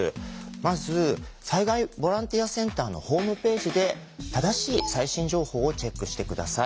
まず災害ボランティアセンターのホームページで正しい最新情報をチェックして下さい。